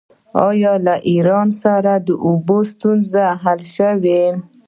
آیا له ایران سره د اوبو ستونزه حل شوې؟